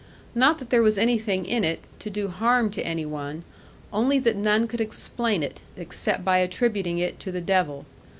Not that there was anything in it, to do harm to any one, only that none could explain it, except by attributing it to the devil.